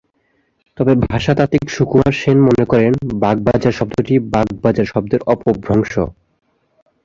তবে ভাষাতাত্ত্বিক সুকুমার সেন মনে করেন বাগবাজার শব্দটি 'বাঁক বাজার' শব্দের অপভ্রংশ।